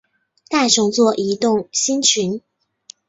大熊座移动星群